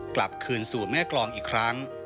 กลับคืนสู่แม่กรองอีกครั้ง